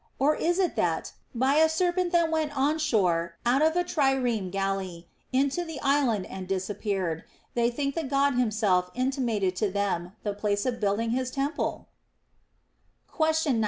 Or is it that, by a serpent that went on shore out of a trireme gal ley into the island and disappeared, they think the God himself intimated to them the place of building his temple 1 Question 95.